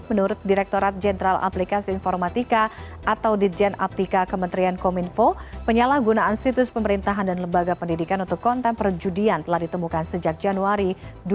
menurut direkturat jenderal aplikasi informatika atau dijen aptika kementerian kominfo penyalahgunaan situs pemerintahan dan lembaga pendidikan untuk konten perjudian telah ditemukan sejak januari dua ribu dua puluh